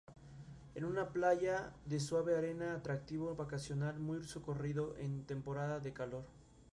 Es una playa de suave arena, atractivo vacacional muy socorrido en temporada de calor.